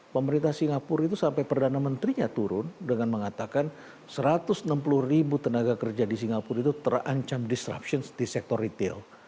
pemerintah singapura itu sampai perdana menterinya turun dengan mengatakan satu ratus enam puluh ribu tenaga kerja di singapura itu terancam disruption di sektor retail